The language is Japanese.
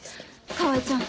川合ちゃん